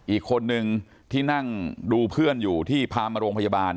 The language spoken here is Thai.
อีกคนนึงที่นั่งดูเพื่อนอยู่ที่พามาโรงพยาบาล